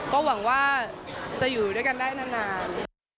ก็หวังว่าจะอยู่ด้วยกันได้นาน